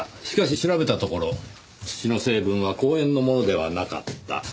しかし調べたところ土の成分は公園のものではなかった。